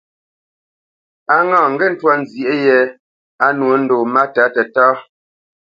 A ŋâ ŋgê ntwá nzyêʼ yē á nwô ndo máta tətá.